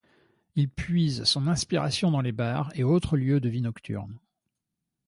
Il puise son inspiration dans les bars et autres lieux de vie nocturne.